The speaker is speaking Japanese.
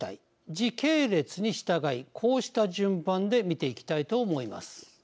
時系列に従い、こうした順番で見ていきたいと思います。